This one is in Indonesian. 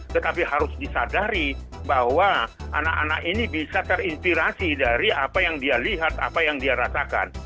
tetapi harus disadari bahwa anak anak ini bisa terinspirasi dari apa yang dia lihat apa yang dia rasakan